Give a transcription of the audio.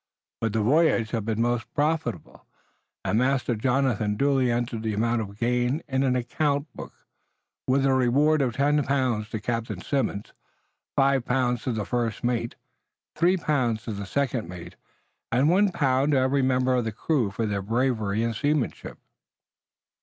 But the voyage had been most profitable, and Master Jonathan duly entered the amount of gain in an account book, with a reward of ten pounds to Captain Simmons, five pounds to the first mate, three pounds to the second mate, and one pound to every member of the crew for their bravery and seamanship.